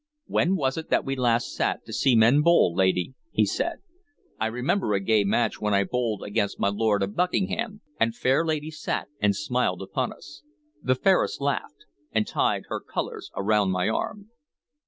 "When was it that we last sat to see men bowl, lady?" he said. "I remember a gay match when I bowled against my Lord of Buckingham, and fair ladies sat and smiled upon us. The fairest laughed, and tied her colors around my arm."